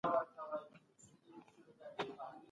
ملي سرود په ملي ارزښتونو کي دئ.